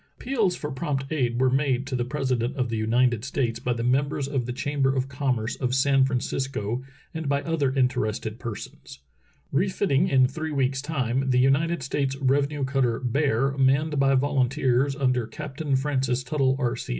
Appeals for prompt aid were made to the President of the United States by the members of the 271 272 True Tales of Arctic Heroism chamber of commerce of San Francisco and by other interested persons. Refitting in three weeks' time, the United States revenue cutter Beaty manned by volun teers under Captain Francis Tuttle, R.